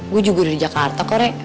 gue juga udah di jakarta kok rey